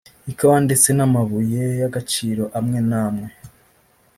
ikawa ndetse n’amabuye y’agaciro amwe n’amwe